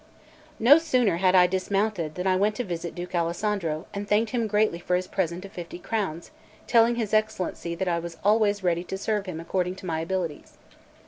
LXXX NO sooner had I dismounted that I went to visit Duke Alessandro, and thanked him greatly for his present of the fifty crowns, telling his Excellency that I was always ready to serve him according to my abilities.